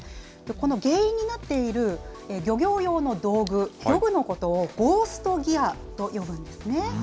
この原因になっている漁業用の道具、漁具のことをゴースト・ギアと呼ぶんですね。